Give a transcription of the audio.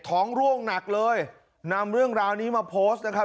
ท้องร่วงหนักเลยนำเรื่องราวนี้มาโพสต์นะครับ